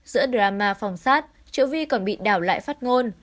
giữa drama phòng sát triệu vi còn bị đảo lại phát ngôn